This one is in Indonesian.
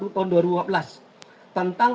tahun dua ribu empat belas tentang